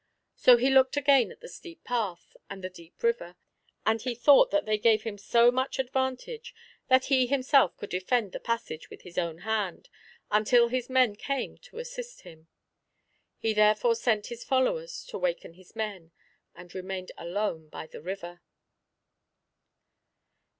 So he looked again at the steep path, and the deep river, and he thought that they gave him so much advantage, that he himself could defend the passage with his own hand, until his men came to assist him. He therefore sent his followers to waken his men, and remained alone by the river.